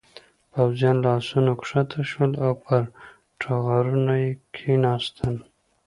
پوځيان له آسونو کښته شول او پر ټغرونو یې کېناستل.